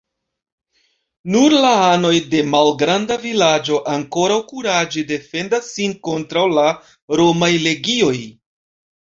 Nur la anoj de malgranda vilaĝo ankoraŭ kuraĝe defendas sin kontraŭ la romaj legioj.